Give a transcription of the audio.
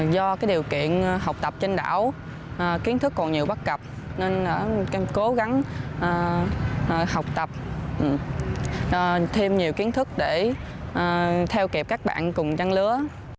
do điều kiện học tập trên đảo kiến thức còn nhiều bắt cập nên em cố gắng học tập thêm nhiều kiến thức để theo kịp các bạn cùng trang lứa